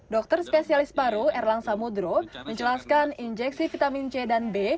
dokter spesialis paru erlang samudro menjelaskan injeksi vitamin c dan b